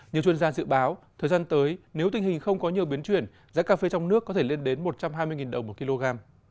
nhiều chuyên gia dự báo thời gian tới nếu tình hình không có nhiều biến chuyển giá cà phê trong nước có thể lên đến một trăm hai mươi đồng một kg